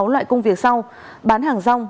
sáu loại công việc sau bán hàng rong